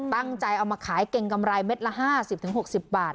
ตั้งใจเอามาขายเกงกำไรเม็ดละห้าสิบถึงหกสิบบาท